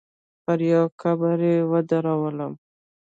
پر يوه قبر يې ودرولم.